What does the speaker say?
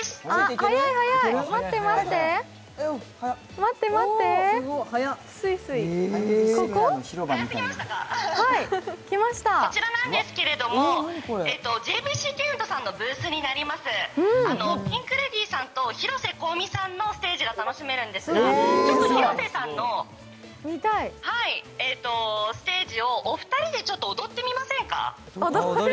早い、早い、待って、待ってーこちらなんですけれども、ピンク・レディーさんと広瀬香美さんのステージが楽しめるんですが広瀬さんのステージをお二人で踊ってみませんか？